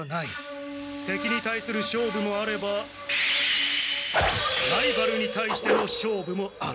てきに対する勝負もあればライバルに対しての勝負もある。